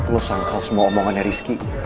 lo sangkal semua omongannya rizky